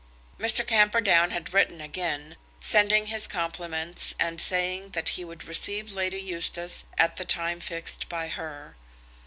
Mr. Camperdown had written again, sending his compliments, and saying that he would receive Lady Eustace at the time fixed by her.